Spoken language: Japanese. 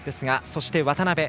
そして渡部。